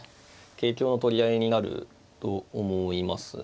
桂香の取り合いになると思いますね。